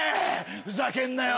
ふざけんなよ？